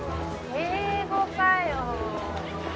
英語かよ。